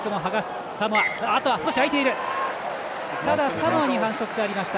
サモアに反則がありました。